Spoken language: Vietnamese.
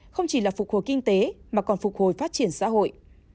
không chỉ là phục hồi kinh tế mà còn phục hồi phát triển xã hội